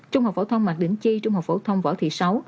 trung học phổ thông mạc đỉnh chi trung học phổ thông võ thị sáu